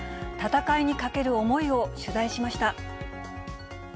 戦いにかける思いを取材しました。